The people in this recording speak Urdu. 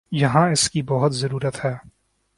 یہاں اس کی بہت ضرورت ہے۔